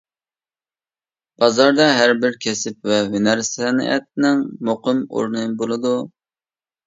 بازاردا ھەربىر كەسىپ ۋە ھۈنەر-سەنئەتنىڭ مۇقىم ئورنى بولىدۇ.